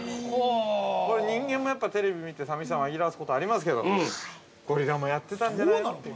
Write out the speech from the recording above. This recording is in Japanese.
人間も、やっぱ、テレビ見て寂しさを紛らわすことがありますけど、ゴリラもやってたんじゃないのって。